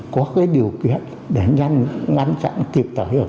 có cái điều kiện để nhanh ngăn chặn kịp thời hiệu